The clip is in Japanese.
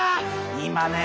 今ね。